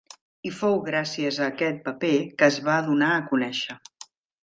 I fou gràcies a aquest paper que es va donar a conèixer.